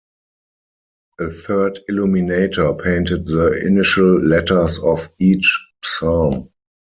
A third illuminator painted the initial letters of each psalm.